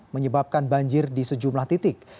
menyebabkan banjir di sejumlah titik